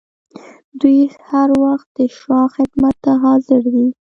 دوی هر وخت د شاه خدمت ته حاضر دي.